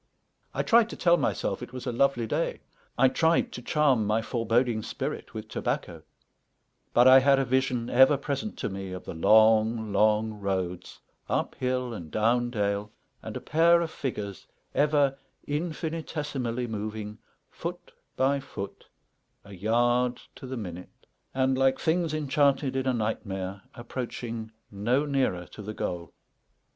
I tried to tell myself it was a lovely day; I tried to charm my foreboding spirit with tobacco; but I had a vision ever present to me of the long, long roads, up hill and down dale, and a pair of figures ever infinitesimally moving, foot by foot, a yard to the minute, and, like things enchanted in a nightmare, approaching no nearer to the goal.